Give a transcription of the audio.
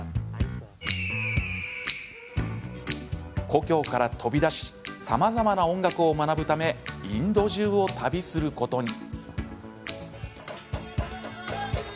故郷から飛び出しさまざまな音楽を学ぶためインド中を旅することに。